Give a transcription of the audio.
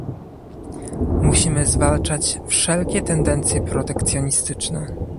Musimy zwalczać wszelkie tendencje protekcjonistyczne